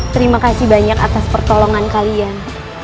terima kasih banyak atas pertolongan kalian